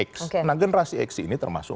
x nah generasi x ini termasuk